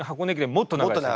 もっと長いです。